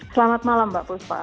selamat malam mbak puspa